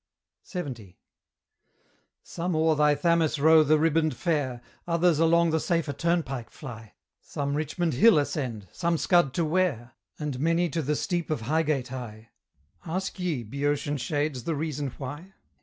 LXX. Some o'er thy Thamis row the ribboned fair, Others along the safer turnpike fly; Some Richmond Hill ascend, some scud to Ware, And many to the steep of Highgate hie. Ask ye, Boeotian shades, the reason why?